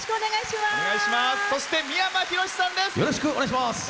そして、三山ひろしさんです。